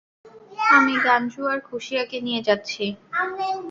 আমি গাঞ্জু আর খুশিয়াকে নিয়ে যাচ্ছি।